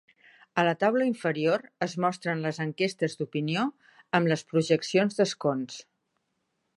A la taula inferior es mostren les enquestes d'opinió amb les projeccions d'escons.